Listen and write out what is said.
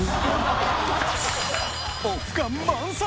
オフ感満載！